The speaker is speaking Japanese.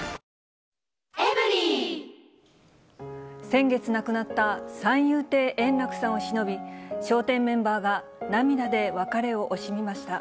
先月亡くなった三遊亭円楽さんをしのび、笑点メンバーが涙で別れを惜しみました。